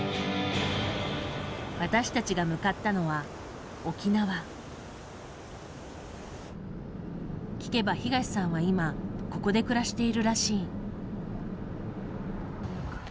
私たちが向かったのは聞けば東さんは今ここで暮らしているらしい。